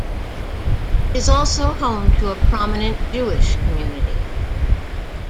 It is also home to a prominent Jewish community.